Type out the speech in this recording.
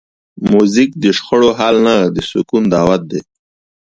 موزیک د شخړو حل نه، د سکون دعوت دی.